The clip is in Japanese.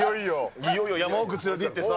いよいよ山奥連れてってさ。